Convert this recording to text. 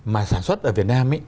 mà sản xuất ở việt nam